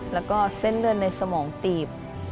แล้วก็เส้นเลือดในสมองตีบ